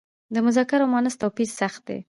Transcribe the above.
د مذکر او مونث توپیر سخت دی.